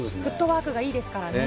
フットワークがいいですからね。